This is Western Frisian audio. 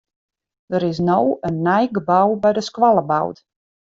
Der is no in nij gebou by de skoalle boud.